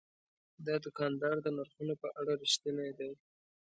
دا دوکاندار د نرخونو په اړه رښتینی دی.